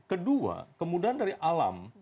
kedua kemudahan dari alam